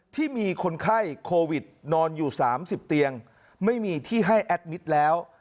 ที่มีคนไข้โควิดนอนอยู่๓๐เตียงไม่มีที่ให้แอดมิตรแล้ว